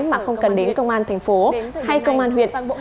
mà không cần đến công an thành phố hay công an huyện